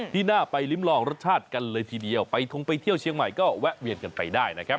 ที่น่าไปลิ้มลองรสชาติกันเลยทีเดียวไปทงไปเที่ยวเชียงใหม่ก็แวะเวียนกันไปได้นะครับ